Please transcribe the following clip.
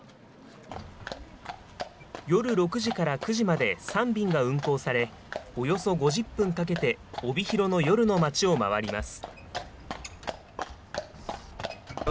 夜６時から９時まで３便が運航され、およそ５０分かけて帯広の夜の街を回ります。